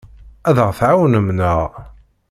Ad aɣ-tɛawnem, naɣ?